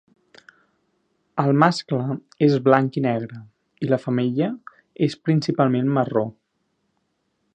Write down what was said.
El mascle és blanc i negre i la femella és principalment marró.